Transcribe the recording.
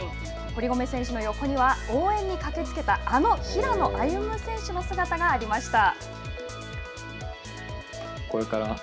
堀米選手の横には応援に駆けつけたあの平野歩夢選手の姿がありました。